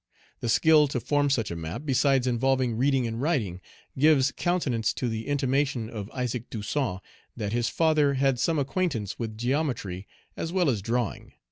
The skill to form such a map, besides involving reading and writing, gives countenance to the intimation of Isaac Toussaint, that his father had some acquaintance with geometry as well as drawing.